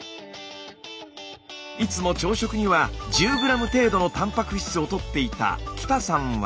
いつも朝食には１０ｇ程度のたんぱく質をとっていた北さんは。